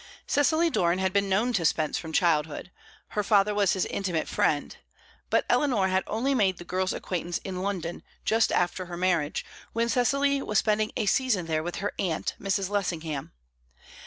Cecily Doran had been known to Spence from childhood; her father was his intimate friend. But Eleanor had only made the girl's acquaintance in London, just after her marriage, when Cecily was spending a season there with her aunt, Mrs. Lessingham.